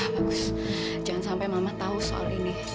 bagus jangan sampai mama tahu soal ini